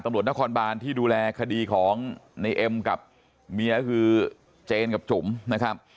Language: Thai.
ตำรวจนครบานที่ดูแลคดีของในเอ็มกับเมียก็คือเจนกับจุ๋มนะครับ